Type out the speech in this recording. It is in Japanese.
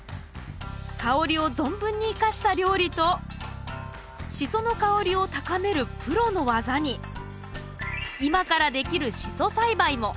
香りを存分に生かした料理とシソの香りを高めるプロの技に今からできるシソ栽培も。